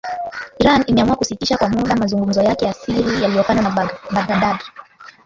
Iran imeamua kusitisha kwa muda mazungumzo yake ya siri yaliyofanywa na Baghdad